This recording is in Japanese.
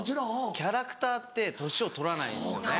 キャラクターって年を取らないんですよね。